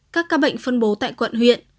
các ca bệnh phân bố tại quận huyện